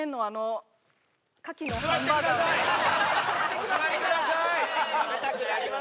お座りください